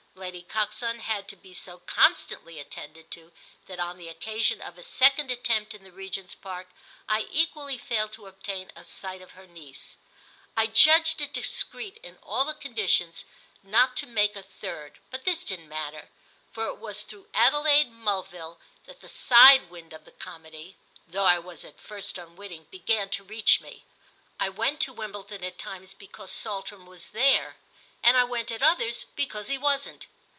Lady Coxon had to be so constantly attended to that on the occasion of a second attempt in the Regent's Park I equally failed to obtain a sight of her niece. I judged it discreet in all the conditions not to make a third; but this didn't matter, for it was through Adelaide Mulville that the side wind of the comedy, though I was at first unwitting, began to reach me. I went to Wimbledon at times because Saltram was there, and I went at others because he wasn't.